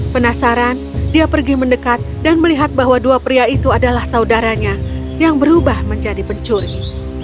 penasaran dia pergi mendekat dan melihat bahwa dua pria itu adalah saudaranya yang berubah menjadi pencuri